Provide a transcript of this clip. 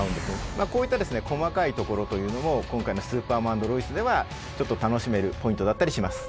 まあこういった細かいところというのも今回の「スーパーマン＆ロイス」ではちょっと楽しめるポイントだったりします。